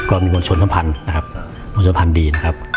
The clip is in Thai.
มวลชนสัมพันธ์นะครับมวลสัมพันธ์ดีนะครับ